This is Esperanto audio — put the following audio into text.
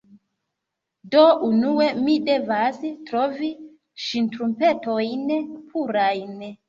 Do, unue mi devas trovi ŝtrumpetojn purajn